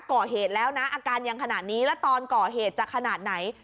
ก่อเหตุแล้วนะอาการยังขนาดนี้แล้วตอนก่อเหตุจะขนาดไหน